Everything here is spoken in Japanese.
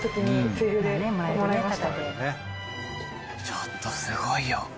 ちょっとすごいよ。